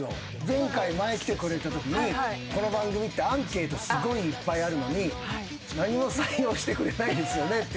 前来てくれたときにこの番組ってアンケートすごいいっぱいあるのに何も採用してくれないですよねって話を。